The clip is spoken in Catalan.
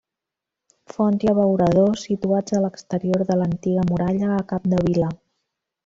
Font i abeurador situats a l'exterior de l'antiga muralla a Capdevila.